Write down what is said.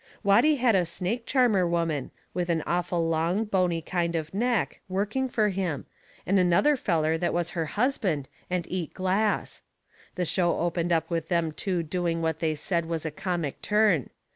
Watty had a snake charmer woman, with an awful long, bony kind of neck, working fur him, and another feller that was her husband and eat glass. The show opened up with them two doing what they said was a comic turn.